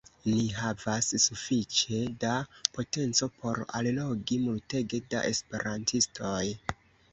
Ni havas sufiĉe da potenco por allogi multege da esperantistoj